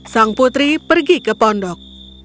sang putri pergi ke pondok